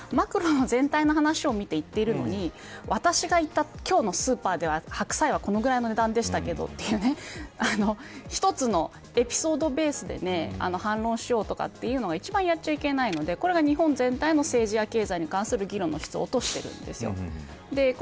専門家がマクロの全体の話を見て言っているのに私が行った今日のスーパーでは白菜はこのぐらいの値段でしたけどという一つのエピソードベースで反論しようとかいうのは一番やっちゃいけないのでこれが、日本全体での政治や経済に関する議論の質を落としているんです。